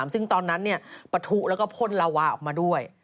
ซึ่งตอนนั้นปะทุแล้วก็พ่นลาวาออกมาด้วย